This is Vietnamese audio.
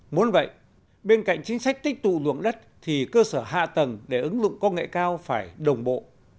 muốn vậy bên cạnh chính sách tích tụ dụng đất thì cơ sở hạ tầng để ứng dụng công nghệ cao phải đồng bộ